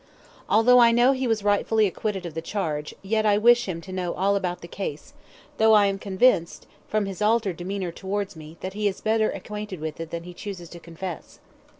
Although I know he was rightfully acquitted of the charge, yet I wish him to know all about the case, though I am convinced, from his altered demeanour towards me, that he is better acquainted with it than he chooses to confess.